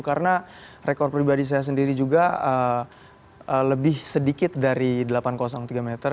karena rekor pribadi saya sendiri juga lebih sedikit dari tiga meter